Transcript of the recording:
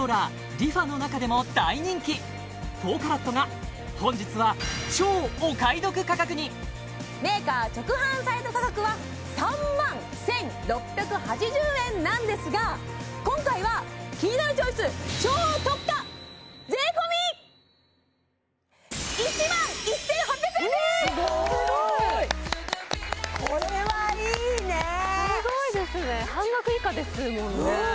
ＲｅＦａの中でも大人気４ＣＡＲＡＴが本日は超お買い得価格にメーカー直販サイト価格は３１６８０円なんですが今回はキニナルチョイス超特価税込すごいすごいこれはいいねすごいですね